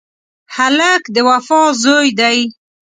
هلک د وفا زوی دی.